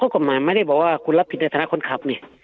กฎหมายไม่ได้บอกว่าคุณรับผิดในฐานะคนขับนี่